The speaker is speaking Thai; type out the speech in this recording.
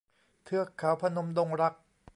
เทือกเขาพนมดงรัก